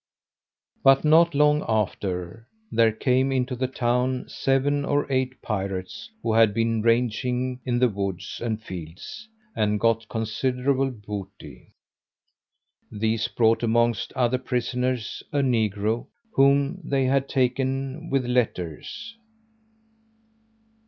But not long after, there came into the town seven or eight pirates who had been ranging in the woods and fields, and got considerable booty. These brought amongst other prisoners, a negro, whom they had taken with letters.